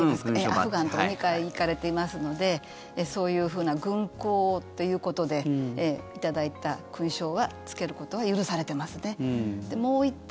アフガン等に２回行かれていますのでそういうふうな軍功ということで頂いた勲章はつけることが許されていますね。